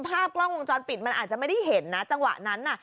ภาพกล้องวงจรปิดมันอาจจะไม่ได้เห็นนะจังหวะนั้นน่ะ